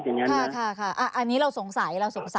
อันนี้เราสงสัย